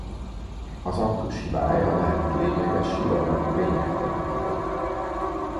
Az aktus hibája lehet lényeges hiba vagy lényegtelen hiba.